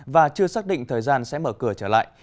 và chưa xác định thời gian sẽ mở cửa trở lại